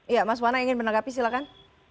iya mas wana ingin menanggapi silakan